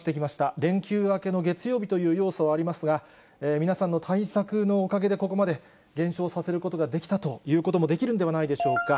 連休明けの月曜日という要素はありますが、皆さんの対策のおかげで、ここまで減少させることができたということもできるんではないでしょうか。